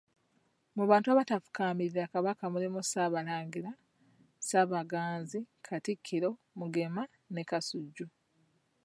Mu bantu abatafukaamirira Kabaka mulimu Ssaabalangira, Ssaabaganzi, Katikkiro, Mugema ne Kasujju.